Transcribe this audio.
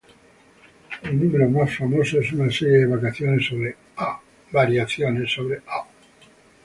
El número más famoso es una serie de variaciones sobre "Ah!